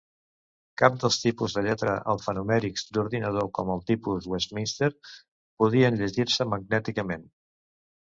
Cap dels tipus de lletra alfanumèrics "d'ordinador", com el tipus Westminster, podien llegir-se magnèticament.